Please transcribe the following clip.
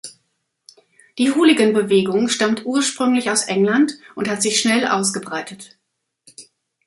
Die Hooligan-Bewegung stammt ursprünglich aus England und hat sich schnell ausgebreitet.